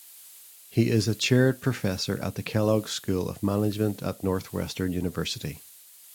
He is a chaired professor at the Kellogg School of Management at Northwestern University.